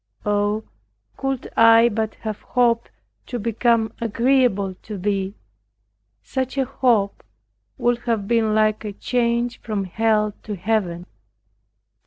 Oh, could I but have hoped, to become agreeable to Thee, such a hope would have been like a change from Hell to Heaven.